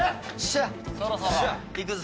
そろそろ。いくぞ。